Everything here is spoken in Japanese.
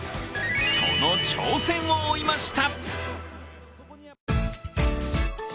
その挑戦を追いました。